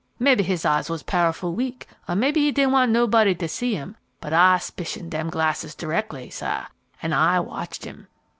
Mebbe his eyes was pow'ful weak, er mebbe he didn't want nobody to see 'em; but I 'spicioned dem glasses d'rectly, sah, an' I watched 'im.